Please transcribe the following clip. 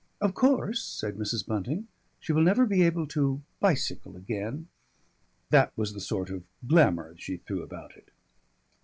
] "Of course," said Mrs. Bunting, "she will never be able to bicycle again " That was the sort of glamour she threw about it.